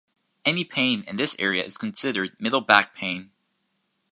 Any pain in this area is considered "middle back pain".